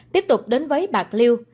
tiếp tục đến với bạc liêu